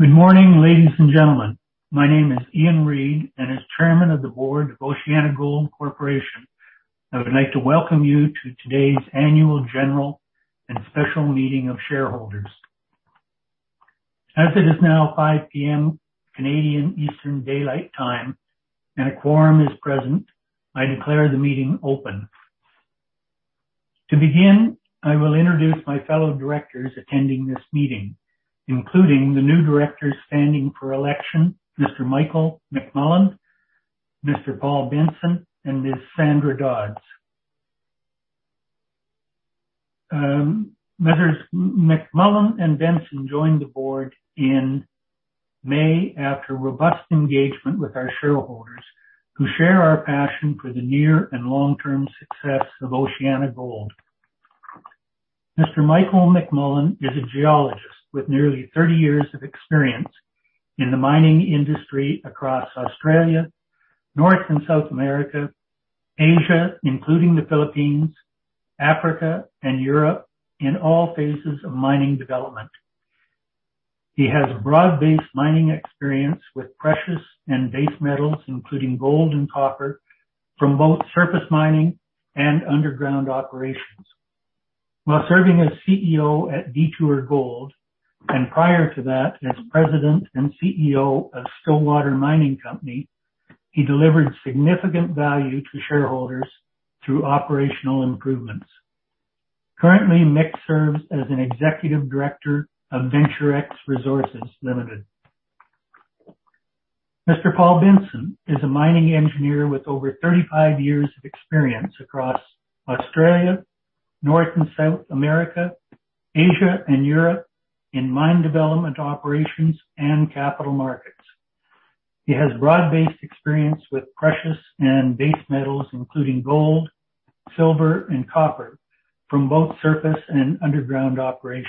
Good morning, ladies and gentlemen. My name is Ian Reid, and as Chairman of the Board of OceanaGold Corporation, I would like to welcome you to today's annual general and special meeting of shareholders. As it is now 5:00 P.M. Canadian Eastern Daylight Time and a quorum is present, I declare the meeting open. To begin, I will introduce my fellow directors attending this meeting, including the new directors standing for election, Mr. Michael McMullen, Mr. Paul Benson, and Ms. Sandra Dodds. Messrs. McMullen and Benson joined the board in May after robust engagement with our shareholders who share our passion for the near and long-term success of OceanaGold. Mr. Michael McMullen is a geologist with nearly 30 years of experience in the mining industry across Australia, North and South America, Asia, including the Philippines, Africa, and Europe, in all phases of mining development. He has broad-based mining experience with precious and base metals, including gold and copper, from both surface mining and underground operations. While serving as CEO at Detour Gold and prior to that as president and CEO of Stillwater Mining Company, he delivered significant value to shareholders through operational improvements. Currently, Mick serves as an executive director of Venturex Resources Limited. Mr. Paul Benson is a mining engineer with over 35 years of experience across Australia, North and South America, Asia, and Europe in mine development operations and capital markets. He has broad-based experience with precious and base metals, including gold, silver, and copper, from both surface and underground operations.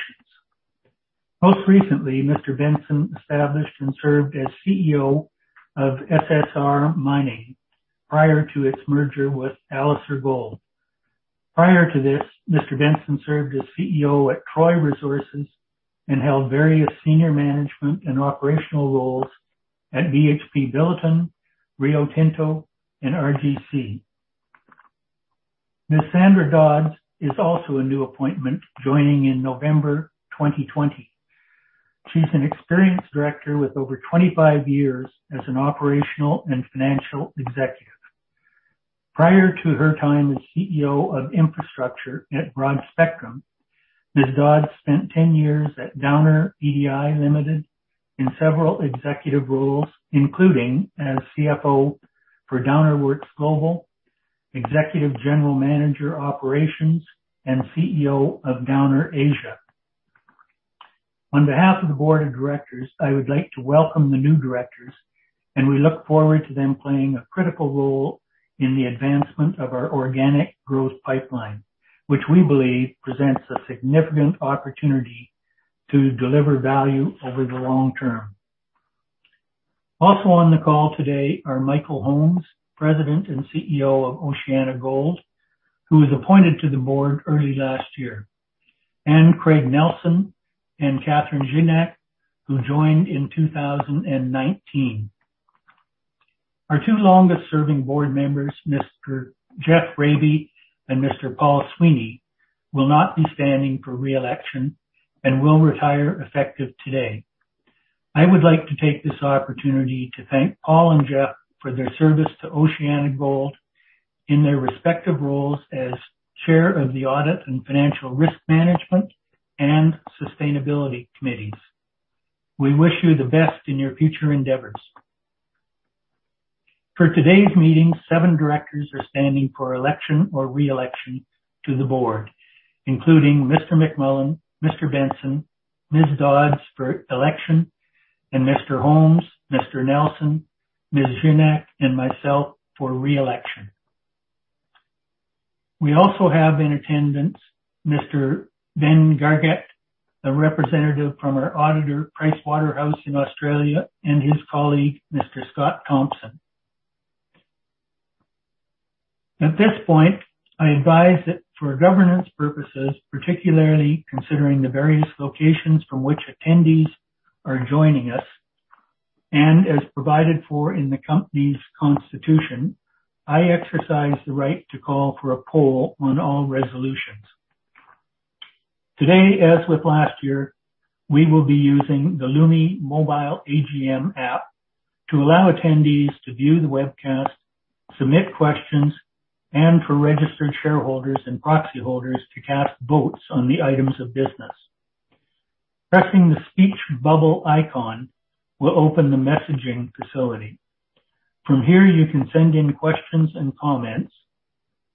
Most recently, Mr. Benson established and served as CEO of SSR Mining prior to its merger with Alacer Gold. Prior to this, Mr. Benson served as CEO at Troy Resources and held various senior management and operational roles at BHP Billiton, Rio Tinto, and RGC. Ms. Sandra Dodds is also a new appointment, joining in November 2020. She's an experienced director with over 25 years as an operational and financial executive. Prior to her time as CEO of infrastructure at Broadspectrum, Ms. Dodds spent 10 years at Downer EDI Limited in several executive roles, including as CFO for Downer Works Global, Executive General Manager, Operations, and CEO of Downer Asia. On behalf of the board of directors, I would like to welcome the new directors, and we look forward to them playing a critical role in the advancement of our organic growth pipeline, which we believe presents a significant opportunity to deliver value over the long term. On the call today are Michael Holmes, President and CEO of OceanaGold, who was appointed to the board early last year, and Craig Nelsen and Catherine Gignac, who joined in 2019. Our two longest-serving board members, Mr. Geoff Raby and Mr. Paul Sweeney, will not be standing for re-election and will retire effective today. I would like to take this opportunity to thank Paul and Geoff for their service to OceanaGold in their respective roles as chair of the Audit and Financial Risk Management and Sustainability Committees. We wish you the best in your future endeavors. For today's meeting, seven directors are standing for election or re-election to the board, including Mr. McMullen, Mr. Benson, Ms. Dodds for election, and Mr. Holmes, Mr. Nelsen, Ms. Gignac, and myself for re-election. We also have in attendance Mr. Ben Gargett, a representative from our auditor, Pricewaterhouse in Australia, and his colleague, Mr. Scott Thompson. At this point, I advise that for governance purposes, particularly considering the various locations from which attendees are joining us and as provided for in the company's constitution, I exercise the right to call for a poll on all resolutions. Today, as with last year, we will be using the Lumi Mobile AGM app to allow attendees to view the webcast, submit questions, and for registered shareholders and proxy holders to cast votes on the items of business. Pressing the speech bubble icon will open the messaging facility. From here, you can send in questions and comments.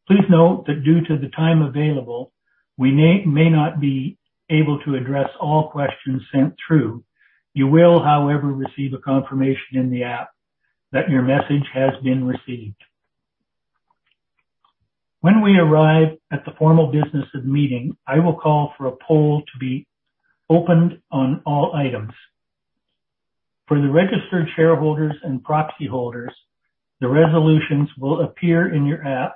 Please note that due to the time available, we may not be able to address all questions sent through. You will, however, receive a confirmation in the app that your message has been received. When we arrive at the formal business of the meeting, I will call for a poll to be opened on all items. For the registered shareholders and proxy holders, the resolutions will appear in your app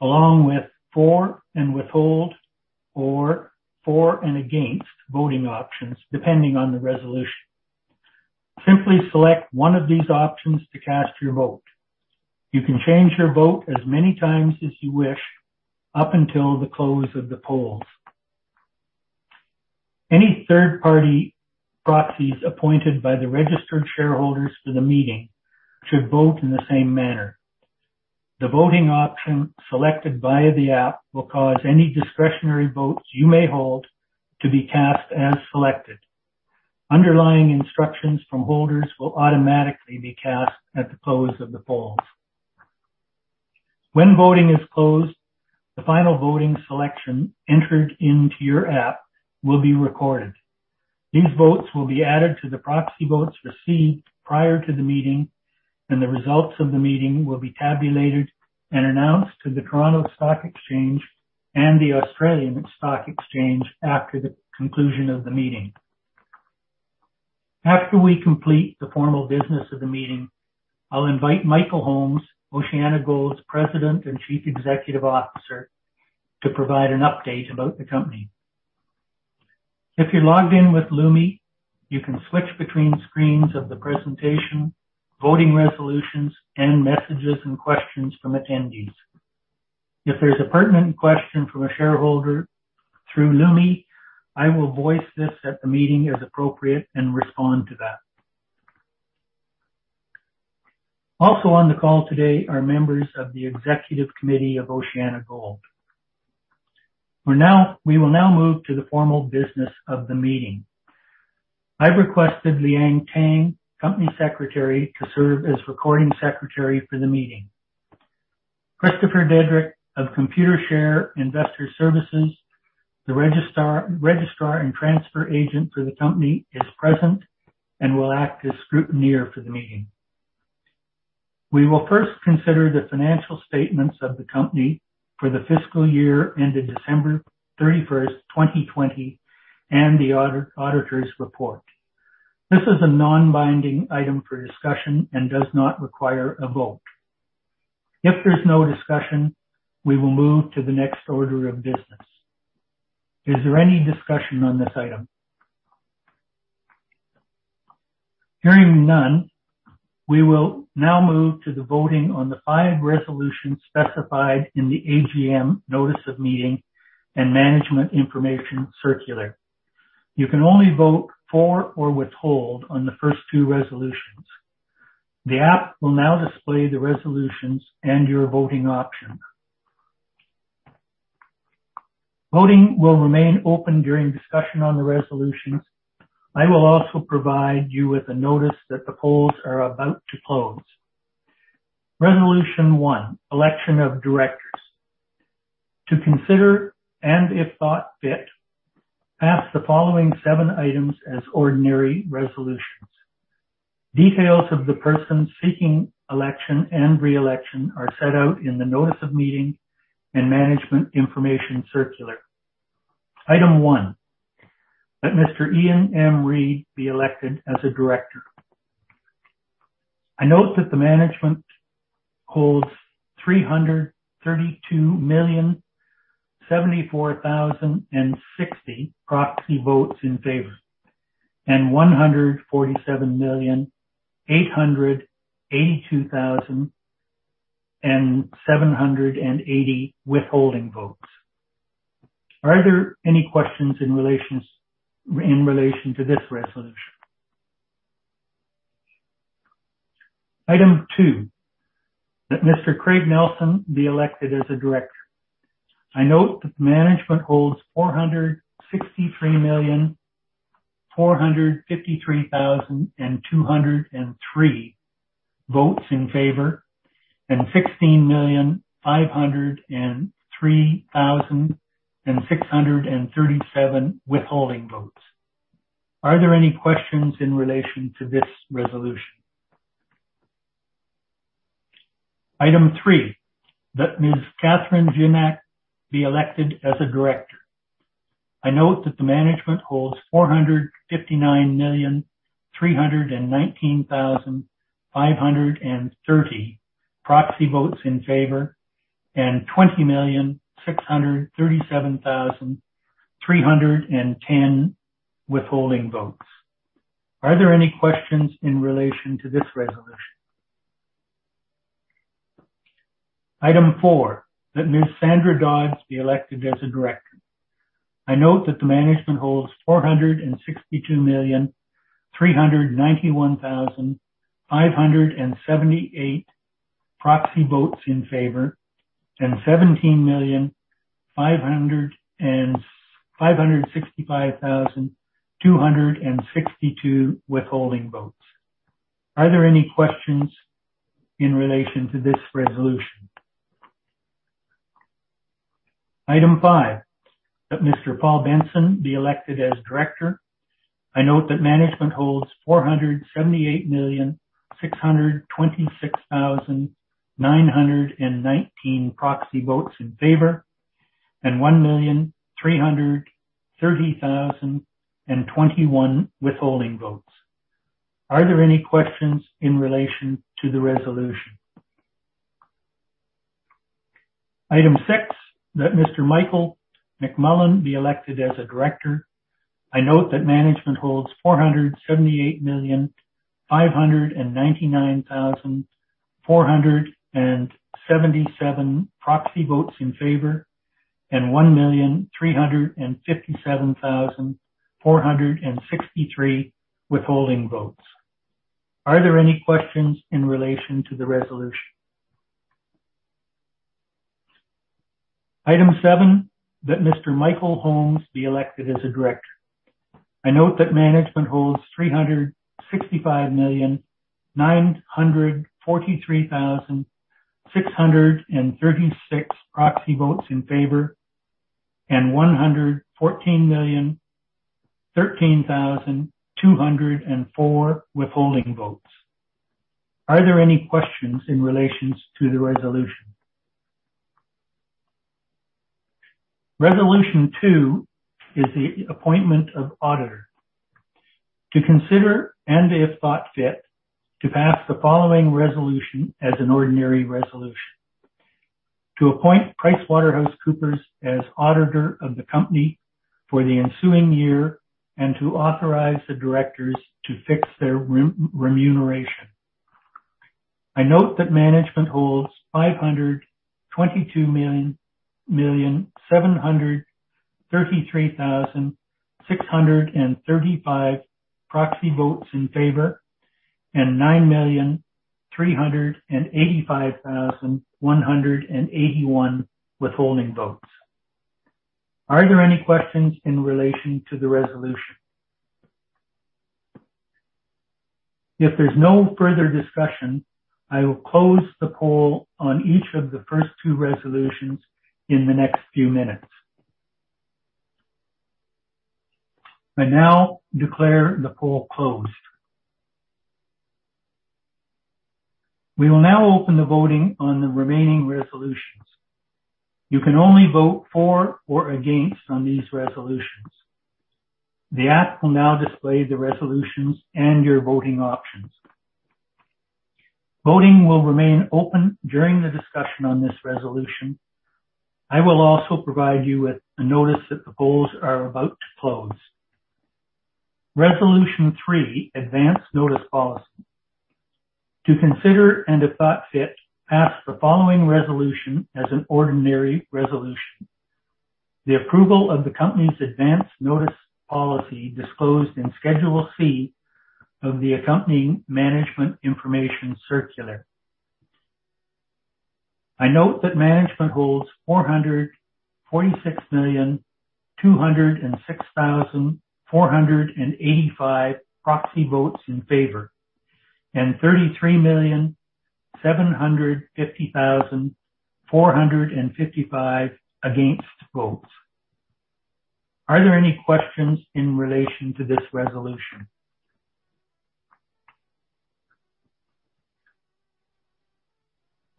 along with for and withhold or for and against voting options, depending on the resolution. Simply select one of these options to cast your vote. You can change your vote as many times as you wish up until the close of the polls. Any third-party proxies appointed by the registered shareholders for the meeting should vote in the same manner. The voting option selected via the app will cause any discretionary votes you may hold to be cast as selected. Underlying instructions from holders will automatically be cast at the close of the poll. When voting is closed, the final voting selection entered into your app will be recorded. These votes will be added to the proxy votes received prior to the meeting, and the results of the meeting will be tabulated and announced to the Toronto Stock Exchange and the Australian Securities Exchange after the conclusion of the meeting. After we complete the formal business of the meeting, I'll invite Michael Holmes, OceanaGold's President and Chief Executive Officer, to provide an update about the company. If you're logged in with Lumi, you can switch between screens of the presentation, voting resolutions, and messages and questions from attendees. If there's a pertinent question from a shareholder through Lumi, I will voice this at the meeting as appropriate and respond to that. On the call today are members of the executive committee of OceanaGold. We will now move to the formal business of the meeting. I've requested Liang Tang, company secretary, to serve as recording secretary for the meeting. Christopher Dedrick of Computershare Investor Services, the registrar and transfer agent for the company, is present and will act as scrutineer for the meeting. We will first consider the financial statements of the company for the fiscal year ended December 31st, 2020, and the auditor's report. This is a non-binding item for discussion and does not require a vote. If there's no discussion, we will move to the next order of business. Is there any discussion on this item? Hearing none, we will now move to the voting on the five resolutions specified in the AGM notice of meeting and management information circular. You can only vote for or withhold on the first two resolutions. The app will now display the resolutions and your voting options. Voting will remain open during discussion on the resolutions. I will also provide you with a notice that the polls are about to close. Resolution 1, election of directors. To consider, and if thought fit, pass the following seven items as ordinary resolutions. Details of the persons seeking election and re-election are set out in the notice of meeting and management information circular. Item one, that Mr. Ian M. Reid be elected as a director. I note that the management holds 332,074,060 proxy votes in favor and 147,882,780 withholding votes. Are there any questions in relation to this resolution? Item two, that Mr. Craig Nelsen be elected as a director. I note that management holds 463,453,203 votes in favor and 16,503,637 withholding votes. Are there any questions in relation to this resolution? Item three, that Ms. Catherine Gignac be elected as a director. I note that the management holds 459,319,530 proxy votes in favor and 20,637,310 withholding votes. Are there any questions in relation to this resolution? Item four, that Ms. Sandra Dodds be elected as a director. I note that the management holds 462,391,578 proxy votes in favor and 17,565,262 withholding votes. Are there any questions in relation to this resolution? Item five, that Mr. Paul Benson be elected as director. I note that management holds 478,626,919 proxy votes in favor and 1,330,021 withholding votes. Are there any questions in relation to the resolution? Item six, that Mr. Michael McMullen be elected as a director. I note that management holds 478,599,477 proxy votes in favor and 1,357,463 withholding votes. Are there any questions in relation to the resolution? Item seven, that Mr. Michael Holmes be elected as a director. I note that management holds 365,943,636 proxy votes in favor and 114,013,204 withholding votes. Are there any questions in relation to the resolution? Resolution 2 is the appointment of auditor. To consider and, if thought fit, to pass the following resolution as an ordinary resolution. To appoint PricewaterhouseCoopers as auditor of the company for the ensuing year and to authorize the directors to fix their remuneration. I note that management holds 522,733,635 proxy votes in favor and 9,385,181 withholding votes. Are there any questions in relation to the resolution? If there's no further discussion, I will close the poll on each of the first two resolutions in the next few minutes. I now declare the poll closed. We will now open the voting on the remaining resolutions. You can only vote for or against on these resolutions. The app will now display the resolutions and your voting options. Voting will remain open during the discussion on this resolution. I will also provide you with a notice that the polls are about to close. Resolution 3, Advance Notice Policy. To consider, and if thought fit, pass the following resolution as an ordinary resolution. The approval of the company's Advance Notice Policy disclosed in Schedule C of the accompanying management information circular. I note that management holds 446,206,485 proxy votes in favor and 33,750,455 against votes. Are there any questions in relation to this resolution?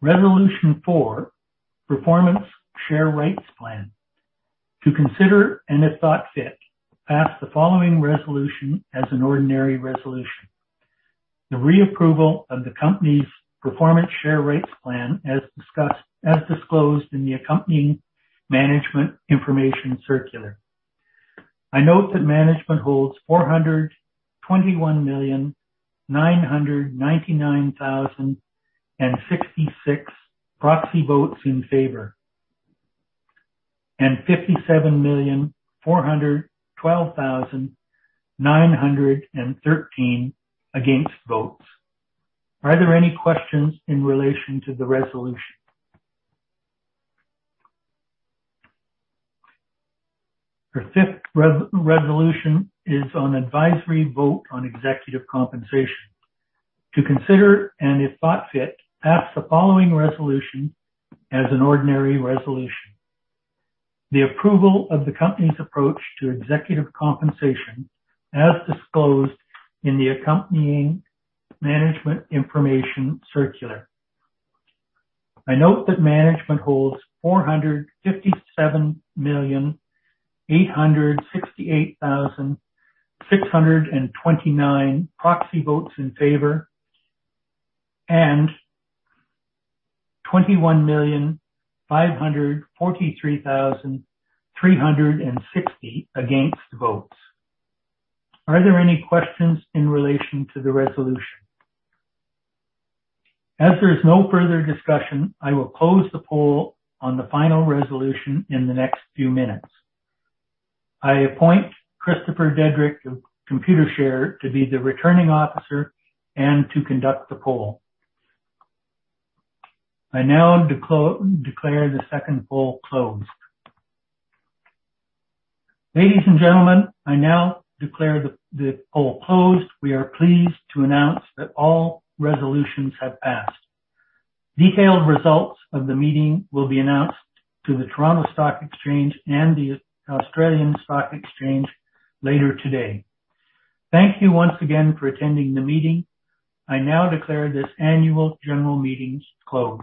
Resolution 4, Performance Share Rights Plan. To consider, and if thought fit, pass the following resolution as an ordinary resolution. The re-approval of the company's Performance Share Rights Plan as disclosed in the accompanying management information circular. I note that management holds 421,999,066 proxy votes in favor and 57,412,913 against votes. Are there any questions in relation to the resolution? The fifth resolution is on advisory vote on executive compensation. To consider, and if thought fit, pass the following resolution as an ordinary resolution. The approval of the company's approach to executive compensation as disclosed in the accompanying management information circular. I note that management holds 457,868,629 proxy votes in favor and 21,543,360 against votes. Are there any questions in relation to the resolution? As there is no further discussion, I will close the poll on the final resolution in the next few minutes. I appoint Christopher Dedrick of Computershare to be the returning officer and to conduct the poll. I now declare the second poll closed. Ladies and gentlemen, I now declare the poll closed. We are pleased to announce that all resolutions have passed. Detailed results of the meeting will be announced to the Toronto Stock Exchange and the Australian Stock Exchange later today. Thank you once again for attending the meeting. I now declare this annual general meeting closed.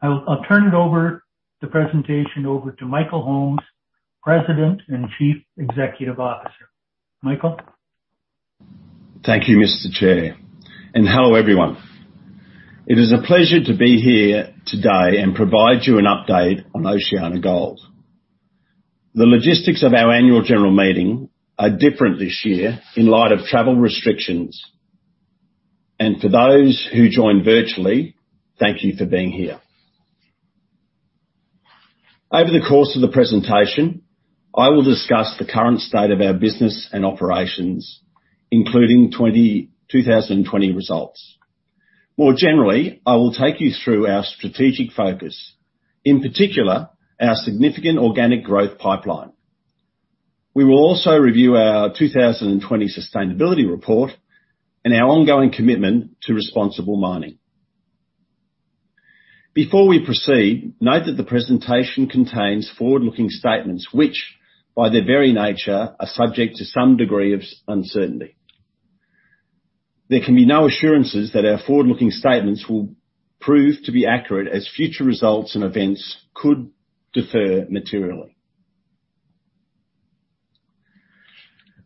I'll turn the presentation over to Michael Holmes, President and Chief Executive Officer. Michael? Thank you, Mr. Chair, and hello, everyone. It is a pleasure to be here today and provide you an update on OceanaGold. The logistics of our annual general meeting are different this year in light of travel restrictions. To those who joined virtually, thank you for being here. Over the course of the presentation, I will discuss the current state of our business and operations, including 2020 results. More generally, I will take you through our strategic focus, in particular, our significant organic growth pipeline. We will also review our 2020 sustainability report and our ongoing commitment to responsible mining. Before we proceed, note that the presentation contains forward-looking statements, which by their very nature, are subject to some degree of uncertainty. There can be no assurances that our forward-looking statements will prove to be accurate, as future results and events could differ materially.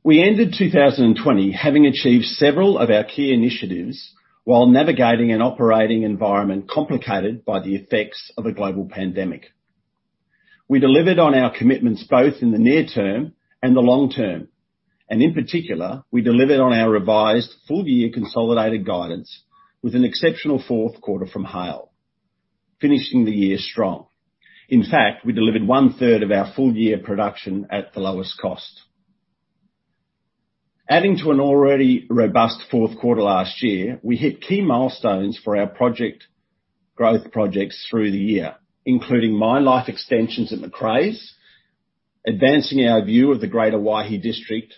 We ended 2020 having achieved several of our key initiatives while navigating an operating environment complicated by the effects of a global pandemic. We delivered on our commitments both in the near term and the long term. In particular, we delivered on our revised full-year consolidated guidance with an exceptional fourth quarter from Haile, finishing the year strong. In fact, we delivered 1/3 of our full-year production at the lowest cost. Adding to an already robust fourth quarter last year, we hit key milestones for our growth projects through the year, including mine life extensions at Macraes, advancing our view of the greater Waihi District,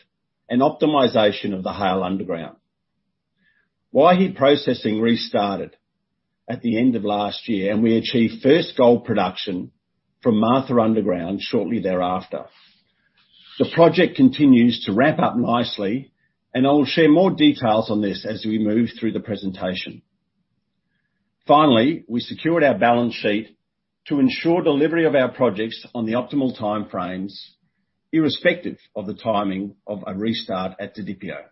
and optimization of the Haile Underground. Waihi processing restarted at the end of last year, and we achieved first gold production from Martha Underground shortly thereafter. The project continues to ramp up nicely. I will share more details on this as we move through the presentation. Finally, we secured our balance sheet to ensure delivery of our projects on the optimal timeframes, irrespective of the timing of a restart at Didipio.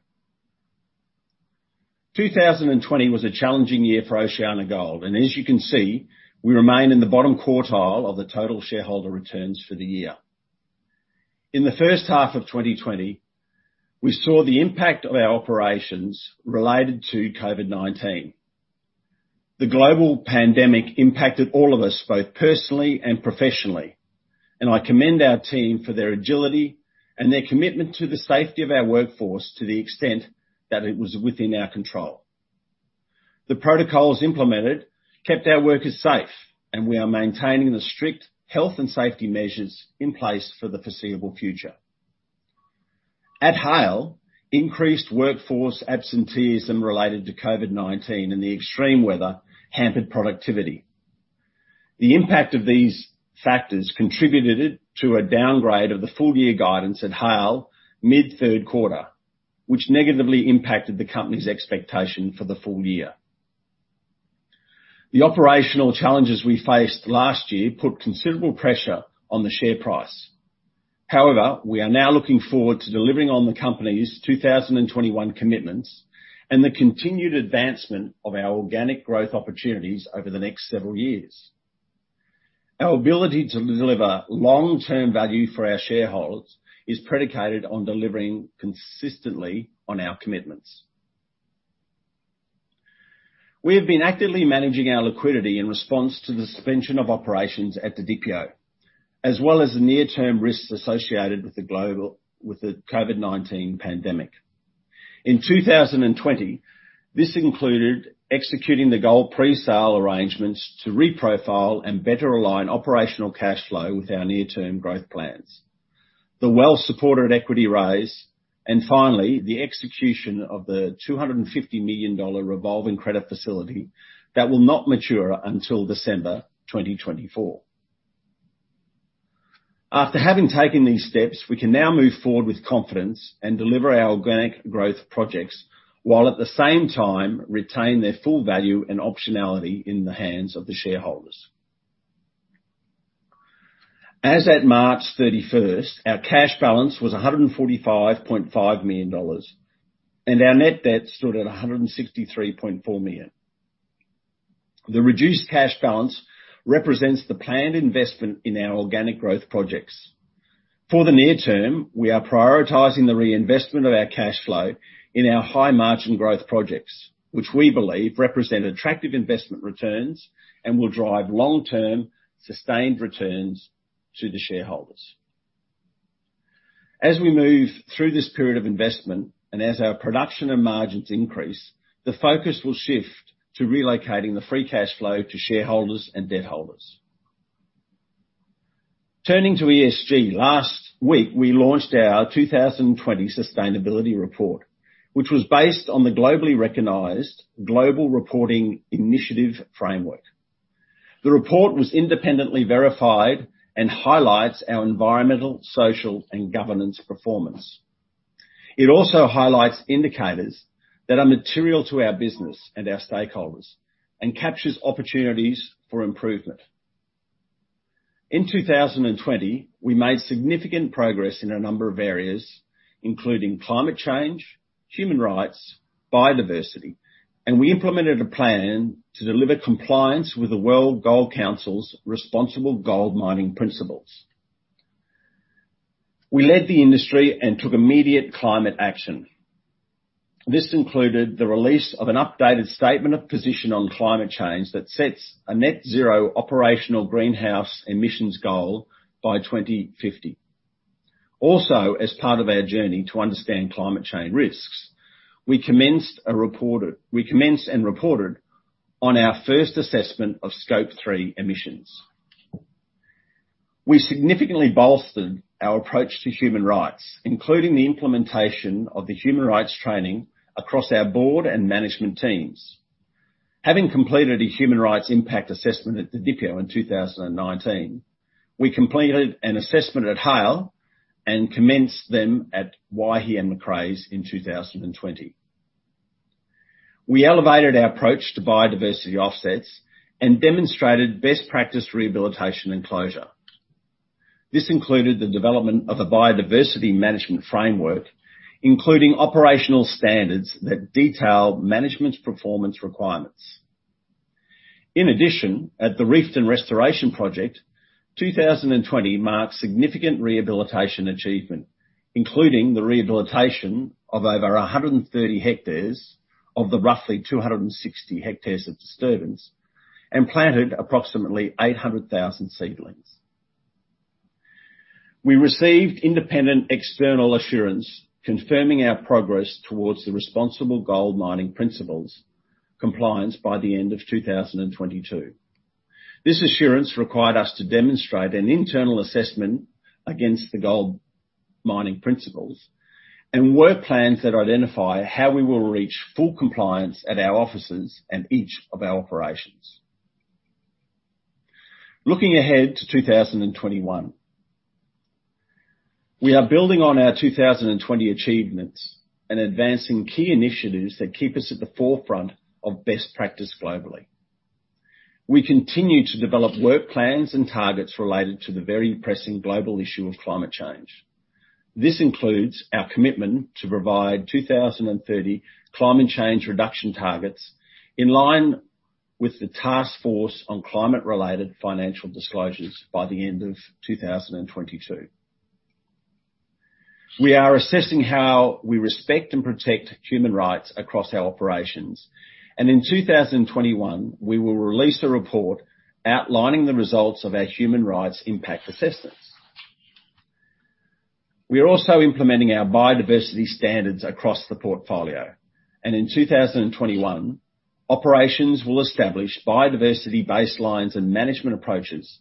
2020 was a challenging year for OceanaGold, and as you can see, we remain in the bottom quartile of the total shareholder returns for the year. In the first half of 2020, we saw the impact of our operations related to COVID-19. The global pandemic impacted all of us, both personally and professionally, and I commend our team for their agility and their commitment to the safety of our workforce to the extent that it was within our control. The protocols implemented kept our workers safe, and we are maintaining the strict health and safety measures in place for the foreseeable future. At Haile, increased workforce absenteeism related to COVID-19 and the extreme weather hampered productivity. The impact of these factors contributed to a downgrade of the full-year guidance at Haile mid third quarter, which negatively impacted the company's expectation for the full year. The operational challenges we faced last year put considerable pressure on the share price. We are now looking forward to delivering on the company's 2021 commitments and the continued advancement of our organic growth opportunities over the next several years. Our ability to deliver long-term value for our shareholders is predicated on delivering consistently on our commitments. We have been actively managing our liquidity in response to the suspension of operations at Didipio, as well as the near-term risks associated with the COVID-19 pandemic. In 2020, this included executing the gold pre-sale arrangements to reprofile and better align operational cash flow with our near-term growth plans, the well-supported equity raise, and finally, the execution of the $250 million revolving credit facility that will not mature until December 2024. After having taken these steps, we can now move forward with confidence and deliver our organic growth projects while at the same time retain their full value and optionality in the hands of the shareholders. As at March 31st, our cash balance was $145.5 million, and our net debt stood at $163.4 million. The reduced cash balance represents the planned investment in our organic growth projects. For the near term, we are prioritizing the reinvestment of our cash flow in our high-margin growth projects, which we believe represent attractive investment returns and will drive long-term, sustained returns to the shareholders. As we move through this period of investment, as our production and margins increase, the focus will shift to relocating the free cash flow to shareholders and debt holders. Turning to ESG, last week, we launched our 2020 sustainability report, which was based on the globally recognized Global Reporting Initiative framework. The report was independently verified and highlights our environmental, social, and governance performance. It also highlights indicators that are material to our business and our stakeholders and captures opportunities for improvement. In 2020, we made significant progress in a number of areas, including climate change, human rights, biodiversity, and we implemented a plan to deliver compliance with the World Gold Council's Responsible Gold Mining Principles. We led the industry and took immediate climate action. This included the release of an updated statement of position on climate change that sets a net zero operational greenhouse emissions goal by 2050. As part of our journey to understand climate change risks, we commenced and reported on our first assessment of Scope 3 emissions. We significantly bolstered our approach to human rights, including the implementation of the human rights training across our board and management teams. Having completed a human rights impact assessment at Didipio in 2019, we completed an assessment at Haile and commenced them at Waihi and Macraes in 2020. We elevated our approach to biodiversity offsets and demonstrated best practice rehabilitation and closure. This included the development of a biodiversity management framework, including operational standards that detail management's performance requirements. At the Reefton Restoration Project, 2020 marked significant rehabilitation achievement, including the rehabilitation of over 130 hectares of the roughly 260 hectares of disturbance, and planted approximately 800,000 seedlings. We received independent external assurance confirming our progress towards the Responsible Gold Mining Principles compliance by the end of 2022. This assurance required us to demonstrate an internal assessment against the Responsible Gold Mining Principles and work plans that identify how we will reach full compliance at our offices and each of our operations. Looking ahead to 2021. We are building on our 2020 achievements and advancing key initiatives that keep us at the forefront of best practice globally. We continue to develop work plans and targets related to the very pressing global issue of climate change. This includes our commitment to provide 2030 climate change reduction targets in line with the Task Force on Climate-Related Financial Disclosures by the end of 2022. We are assessing how we respect and protect human rights across our operations, and in 2021, we will release a report outlining the results of our human rights impact assessments. We are also implementing our biodiversity standards across the portfolio, and in 2021, operations will establish biodiversity baselines and management approaches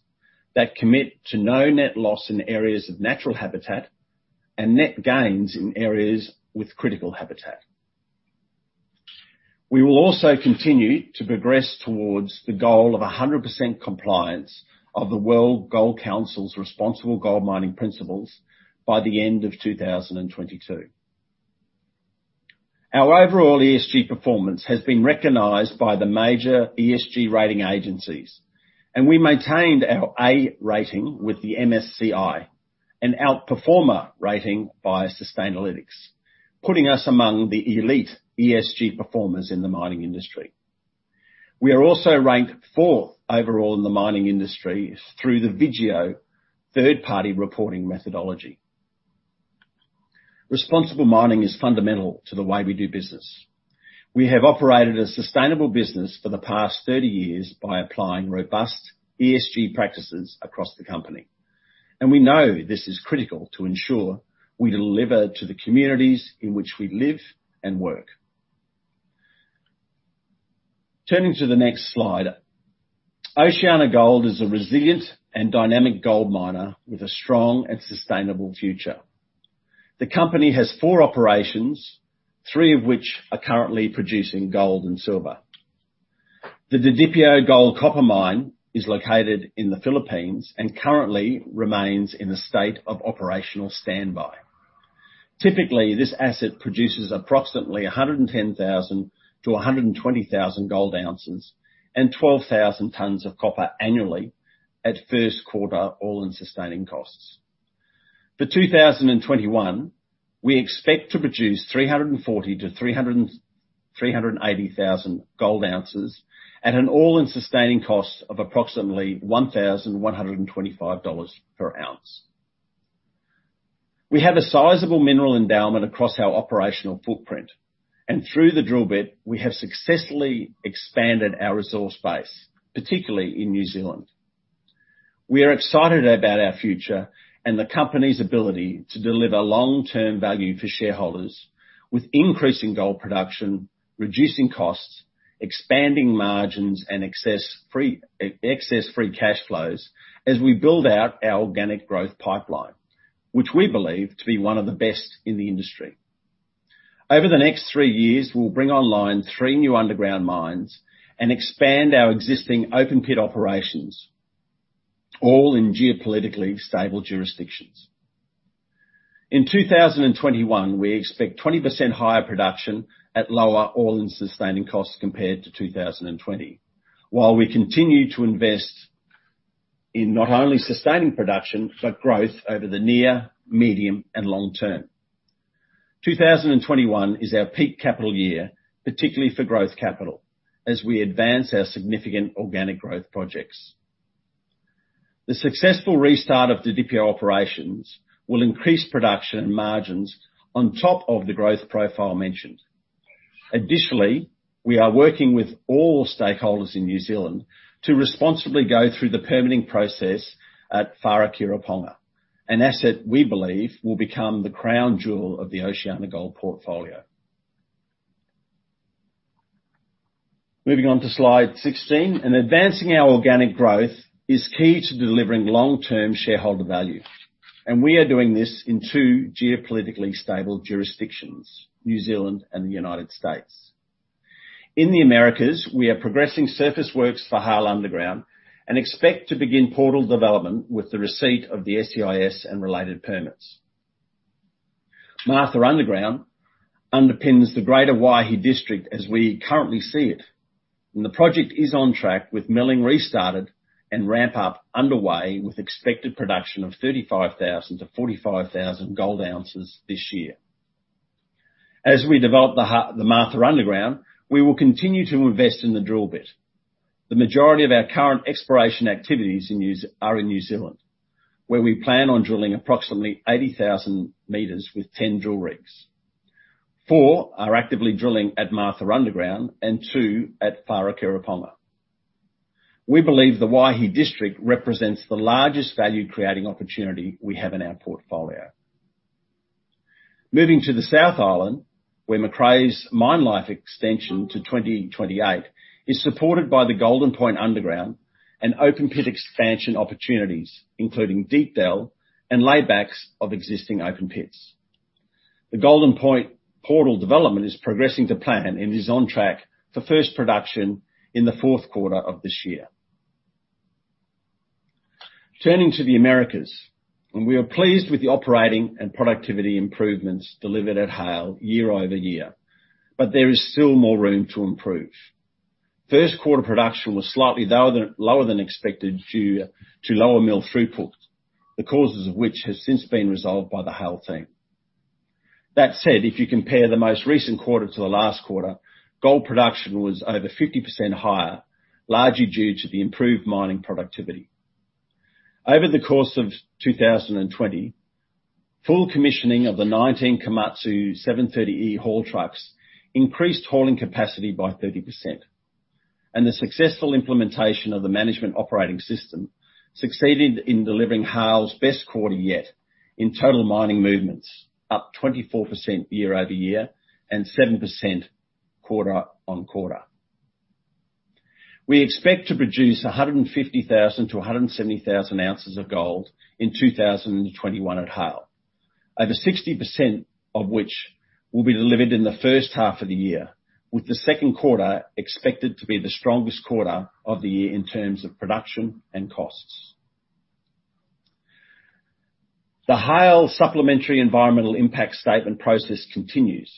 that commit to no net loss in areas of natural habitat and net gains in areas with critical habitat. We will also continue to progress towards the goal of 100% compliance of the World Gold Council's Responsible Gold Mining Principles by the end of 2022. Our overall ESG performance has been recognized by the major ESG rating agencies, and we maintained our A rating with the MSCI and Outperformer rating by Sustainalytics, putting us among the elite ESG performers in the mining industry. We are also ranked fourth overall in the mining industry through the Vigeo Eiris third-party reporting methodology. Responsible mining is fundamental to the way we do business. We have operated a sustainable business for the past 30 years by applying robust ESG practices across the company, and we know this is critical to ensure we deliver to the communities in which we live and work. Turning to the next slide. OceanaGold is a resilient and dynamic gold miner with a strong and sustainable future. The company has four operations, three of which are currently producing gold and silver. The Didipio gold-copper mine is located in the Philippines and currently remains in a state of operational standby. Typically, this asset produces approximately 110,000-120,000 gold ounces and 12,000 tonnes of copper annually at first quarter all-in sustaining costs. For 2021, we expect to produce 340,000-380,000 gold ounces and an all-in sustaining cost of approximately $1,125 /oz. We have a sizable mineral endowment across our operational footprint, and through the drill bit, we have successfully expanded our resource base, particularly in New Zealand. We are excited about our future and the company's ability to deliver long-term value for shareholders with increasing gold production, reducing costs, expanding margins, and excess free cash flows as we build out our organic growth pipeline, which we believe to be one of the best in the industry. Over the next three years, we'll bring online three new underground mines and expand our existing open-pit operations, all in geopolitically stable jurisdictions. In 2021, we expect 20% higher production at lower all-in sustaining costs compared to 2020. While we continue to invest in not only sustaining production, but growth over the near, medium, and long term. 2021 is our peak capital year, particularly for growth capital, as we advance our significant organic growth projects. The successful restart of the Didipio operations will increase production margins on top of the growth profile mentioned. We are working with all stakeholders in New Zealand to responsibly go through the permitting process at Wharekirauponga, an asset we believe will become the crown jewel of the OceanaGold portfolio. Moving on to slide 16, advancing our organic growth is key to delivering long-term shareholder value. We are doing this in two geopolitically stable jurisdictions, New Zealand and the United States. In the Americas, we are progressing surface works for Haile Underground and expect to begin portal development with the receipt of the SEIS and related permits. Martha Underground underpins the greater Waihi district as we currently see it. The project is on track with milling restarted and ramp up underway, with expected production of 35,000 to 45,000 gold ounces this year. As we develop the Martha Underground, we will continue to invest in the drill bit. The majority of our current exploration activities are in New Zealand, where we plan on drilling approximately 80,000 m with 10 drill rigs. Four are actively drilling at Martha Underground and two at Wharekirauponga. We believe the Waihi district represents the largest value-creating opportunity we have in our portfolio. Moving to the South Island, where Macraes mine life extension to 2028 is supported by the Golden Point Underground and open-pit expansion opportunities, including Deepdell and laybacks of existing open pits. The Golden Point portal development is progressing to plan and is on track for first production in the fourth quarter of this year. Turning to the Americas, we are pleased with the operating and productivity improvements delivered at Haile year over year. There is still more room to improve. First quarter production was slightly lower than expected due to lower mill throughput, the causes of which have since been resolved by the Haile team. That said, if you compare the most recent quarter to the last quarter, gold production was over 50% higher, largely due to the improved mining productivity. Over the course of 2020, full commissioning of the 19 Komatsu 730E haul trucks increased hauling capacity by 30%. The successful implementation of the management operating system succeeded in delivering Haile's best quarter yet in total mining movements, up 24% year-over-year and 7% quarter-on-quarter. We expect to produce 150,000 to 170,000 oz of gold in 2021 at Haile. Over 60% of which will be delivered in the first half of the year, with the second quarter expected to be the strongest quarter of the year in terms of production and costs. The Haile Supplementary Environmental Impact Statement process continues,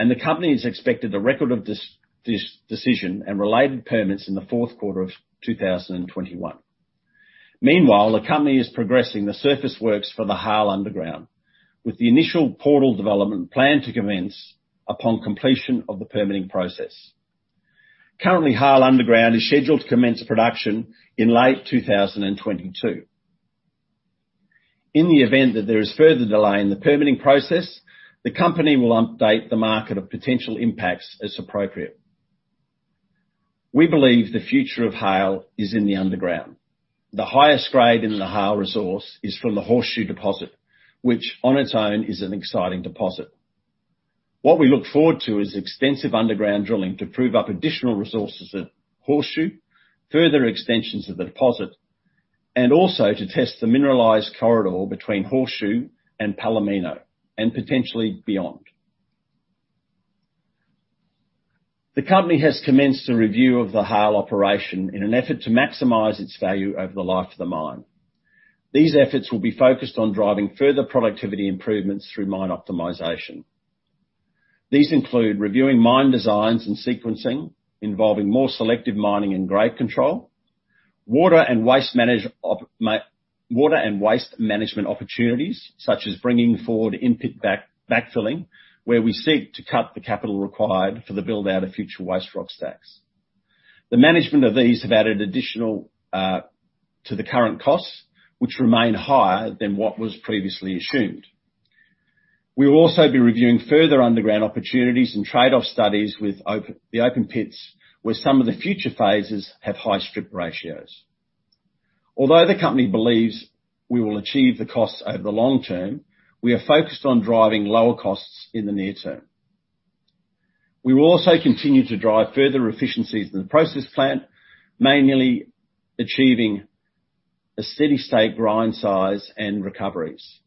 and the company has expected a record of this decision and related permits in the fourth quarter of 2021. Meanwhile, the company is progressing the surface works for the Haile Underground, with the initial portal development planned to commence upon completion of the permitting process. Currently, Haile Underground is scheduled to commence production in late 2022. In the event that there is further delay in the permitting process, the company will update the market of potential impacts as appropriate. We believe the future of Haile is in the underground. The highest grade in the Haile resource is from the Horseshoe Deposit, which on its own is an exciting deposit. What we look forward to is extensive underground drilling to prove up additional resources at Horseshoe, further extensions of the deposit, and also to test the mineralized corridor between Horseshoe and Palomino, and potentially beyond. The company has commenced a review of the Haile operation in an effort to maximize its value over the life of the mine. These efforts will be focused on driving further productivity improvements through mine optimization. These include reviewing mine designs and sequencing, involving more selective mining and grade control. Water and waste management opportunities, such as bringing forward in-pit backfilling, where we seek to cut the capital required for the build out of future waste rock stacks. The management of these have added additional to the current costs, which remain higher than what was previously assumed. We'll also be reviewing further underground opportunities and trade-off studies with the open pits, where some of the future phases have high strip ratios. Although the company believes we will achieve the costs over the long term, we are focused on driving lower costs in the near term. We will also continue to drive further efficiencies in the process plant, mainly achieving a steady state grind size and recoveries.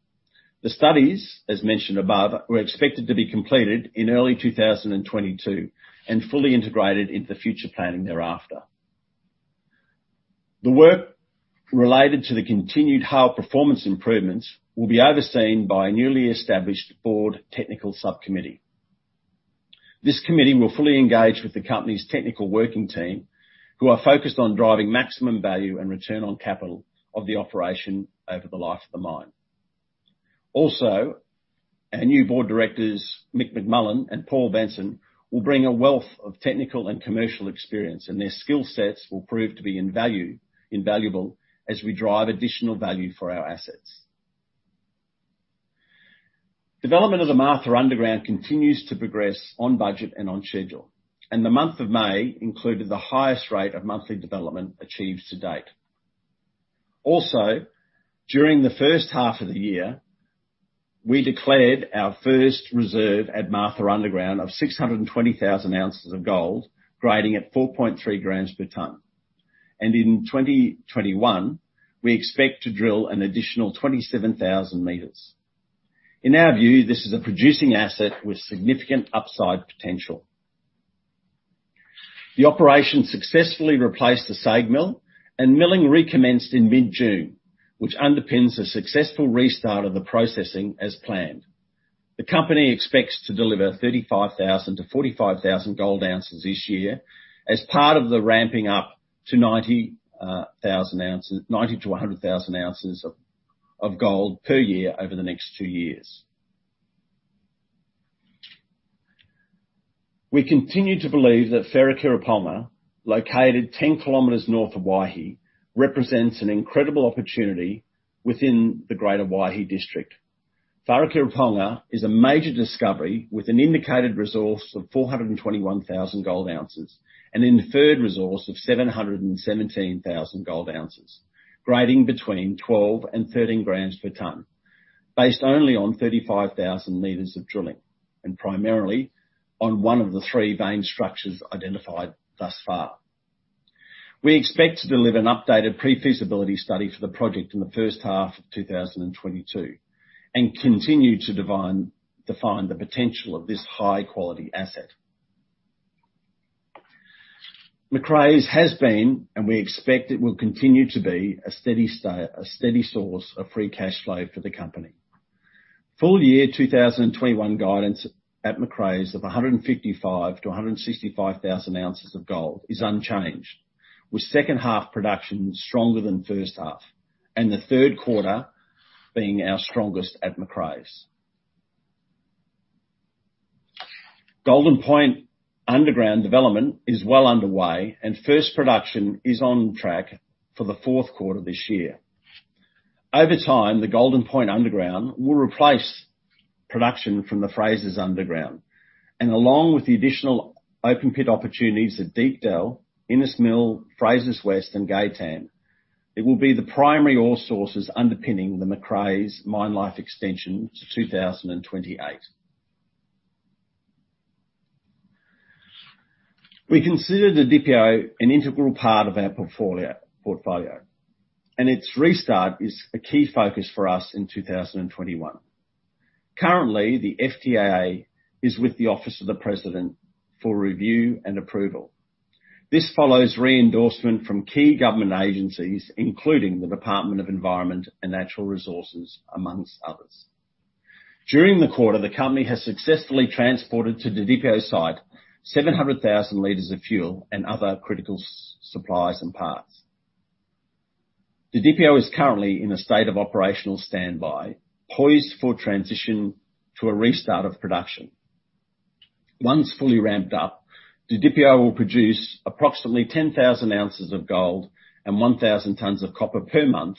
The studies, as mentioned above, were expected to be completed in early 2022 and fully integrated into future planning thereafter. The work related to the continued high performance improvements will be overseen by a newly established board technical subcommittee. This committee will fully engage with the company's technical working team, who are focused on driving maximum value and return on capital of the operation over the life of the mine. Our new board directors, Mick McMullen and Paul Benson, will bring a wealth of technical and commercial experience, and their skill sets will prove to be invaluable as we drive additional value for our assets. Development of the Martha underground continues to progress on budget and on schedule, and the month of May included the highest rate of monthly development achieved to date. During the first half of the year, we declared our first reserve at Martha underground of 620,000 oz of gold, grading at 4.3 g/ton. In 2021, we expect to drill an additional 27,000 m. In our view, this is a producing asset with significant upside potential. The operation successfully replaced the SAG mill, and milling recommenced in mid-June, which underpins the successful restart of the processing as planned. The company expects to deliver 35,000-45,000 gold ounces this year as part of the ramping up to 90,000 oz, 90,000-100,000 oz of gold per year over the next two years. We continue to believe that Wharekirauponga, located 10 km north of Waihi, represents an incredible opportunity within the greater Waihi district. Wharekirauponga is a major discovery with an indicated resource of 421,000 gold ounces and an inferred resource of 717,000 gold ounces, grading between 12 and 13 g/ton based only on 35,000 meters of drilling, and primarily on one of the three vein structures identified thus far. We expect to deliver an updated pre-feasibility study for the project in the first half of 2022 and continue to define the potential of this high-quality asset. Macraes has been, and we expect it will continue to be, a steady source of free cash flow for the company. Full year 2021 guidance at Macraes of 155 to 165,000 oz of gold is unchanged, with second half production stronger than first half, and the third quarter being our strongest at Macraes. Golden Point underground development is well underway and first production is on track for the fourth quarter this year. Over time, the Golden Point underground will replace production from the Frasers Underground, and along with the additional open pit opportunities at Deep Dell, Innes Mills, Frasers West, and Gay-Tan, it will be the primary ore sources underpinning the Macraes mine life extension to 2028. We consider Didipio an integral part of our portfolio, and its restart is a key focus for us in 2021. Currently, the FTAA is with the Office of the President for review and approval. This follows re-endorsement from key government agencies, including the Department of Environment and Natural Resources, amongst others. During the quarter, the company has successfully transported to Didipio site 700,000 L of fuel and other critical supplies and parts. Didipio is currently in a state of operational standby, poised for transition to a restart of production. Once fully ramped up, Didipio will produce approximately 10,000 oz of gold and 1,000 tons of copper per month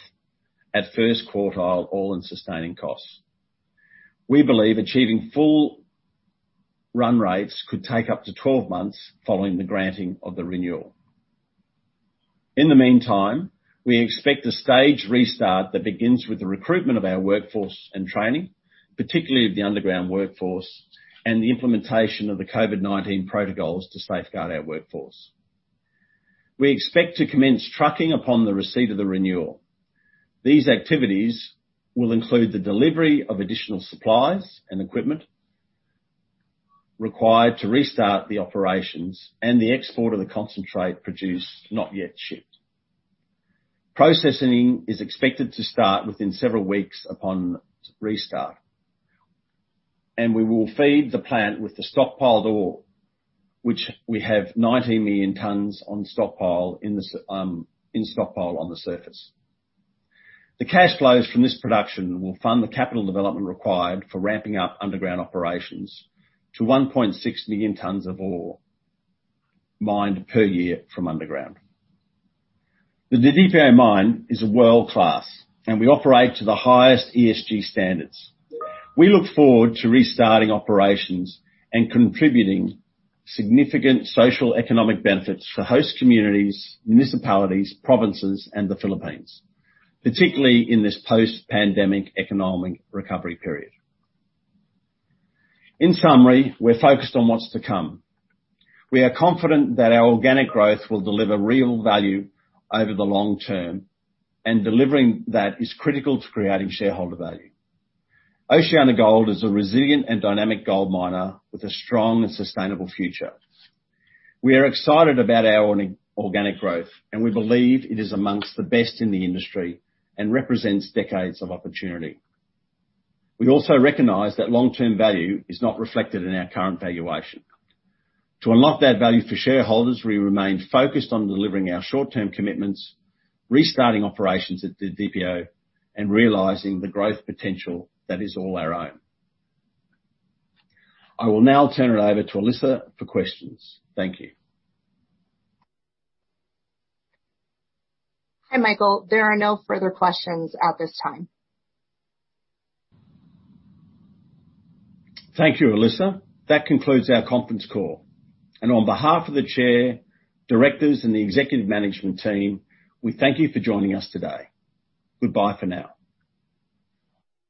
at first quartile all-in sustaining costs. We believe achieving full run rates could take up to 12 months following the granting of the renewal. In the meantime, we expect a staged restart that begins with the recruitment of our workforce and training, particularly of the underground workforce, and the implementation of the COVID-19 protocols to safeguard our workforce. We expect to commence trucking upon the receipt of the renewal. These activities will include the delivery of additional supplies and equipment required to restart the operations and the export of the concentrate produced not yet shipped. Processing is expected to start within several weeks upon restart, and we will feed the plant with the stockpiled ore, which we have 19,000,000 tons in stockpile on the surface. The cash flows from this production will fund the capital development required for ramping up underground operations to 1,600,000 tons of ore mined per year from underground. The Didipio mine is world-class, and we operate to the highest ESG standards. We look forward to restarting operations and contributing significant social economic benefits for host communities, municipalities, provinces, and the Philippines, particularly in this post-pandemic economic recovery period. In summary, we're focused on what's to come. We are confident that our organic growth will deliver real value over the long term, and delivering that is critical to creating shareholder value. OceanaGold is a resilient and dynamic gold miner with a strong and sustainable future. We are excited about our organic growth, and we believe it is amongst the best in the industry and represents decades of opportunity. We also recognize that long-term value is not reflected in our current valuation. To unlock that value for shareholders, we remain focused on delivering our short-term commitments, restarting operations at Didipio, and realizing the growth potential that is all our own. I will now turn it over to Alyssa for questions. Thank you. Hi, Michael. There are no further questions at this time. Thank you, Alyssa. That concludes our conference call. On behalf of the chair, directors, and the executive management team, we thank you for joining us today. Goodbye for now.